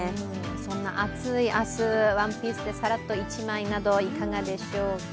そんな暑い明日、ワンピースでさらっと１枚でいかがでしょうか。